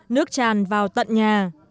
nước tràn vào tận nhà